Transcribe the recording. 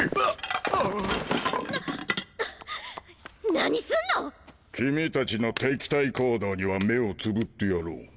何すんの⁉君たちの敵対行動には目をつぶってやろう。